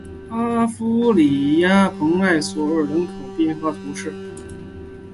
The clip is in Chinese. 阿夫里耶莱蓬索人口变化图示